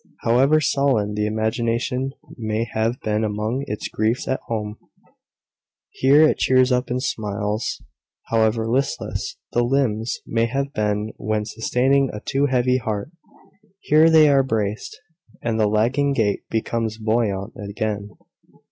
However sullen the imagination may have been among its griefs at home, here it cheers up and smiles. However listless the limbs may have been when sustaining a too heavy heart, here they are braced, and the lagging gait becomes buoyant again.